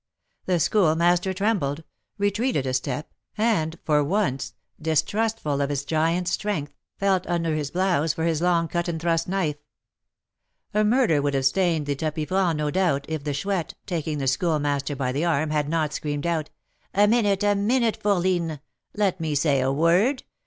The Schoolmaster trembled, retreated a step, and, for once, distrustful of his giant strength, felt under his blouse for his long cut and thrust knife. A murder would have stained the tapis franc, no doubt, if the Chouette, taking the Schoolmaster by the arm, had not screamed out: "A minute, a minute, fourline, let me say a word!